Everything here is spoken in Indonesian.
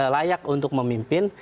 layak untuk memimpin